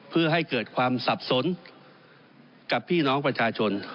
เพื่อให้เกิดความสับสนกับพี่น้องประชาชน